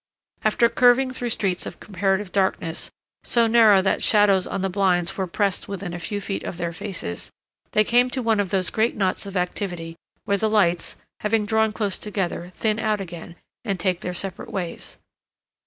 After curving through streets of comparative darkness, so narrow that shadows on the blinds were pressed within a few feet of their faces, they came to one of those great knots of activity where the lights, having drawn close together, thin out again and take their separate ways.